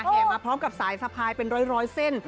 มาพร้อมกับสายสะพายเป็นร้อยเส้น